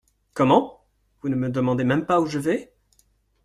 Comment ! vous ne me demandez même pas où je vais ?…